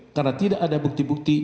karena tidak ada bukti bukti